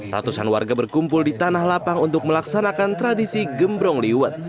ratusan warga berkumpul di tanah lapang untuk melaksanakan tradisi gembrong liwet